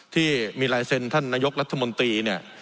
ที่มีลายเซ็นต์ท่านนายกรัฐมนตรี